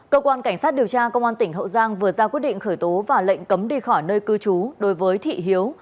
cơ quan cảnh sát điều tra công an tỉnh hậu giang vừa ra quyết định khởi tố và lệnh cấm đi khỏi nơi cư trú đối với thị hiếu